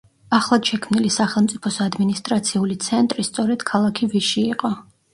ახლად შექმნილი სახელმწიფოს ადმინისტრაციული ცენტრი სწორედ ქალაქი ვიში იყო.